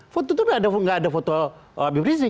foto itu nggak ada foto abi brzee